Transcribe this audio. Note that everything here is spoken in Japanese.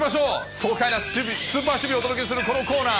爽快な守備、すーぱーぷれーをおとどけするこのコーナー。